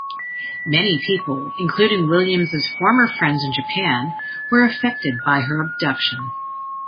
Many people, including Williams' former friends in Japan, were affected by her abduction.